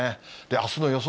あすの予想